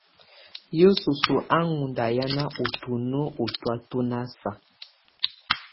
Yǝsus á ɔ́ŋ ndahiana ú tuno ú tɔ̀á tu ná saa.